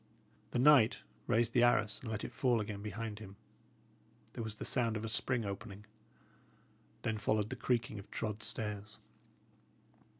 The knight raised the arras and let it fall again behind him. There was the sound of a spring opening; then followed the creaking of trod stairs.